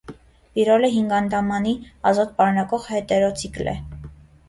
Պիրոլը հինգանդամանի ազոտ պարունակող հետերոցիկլ է։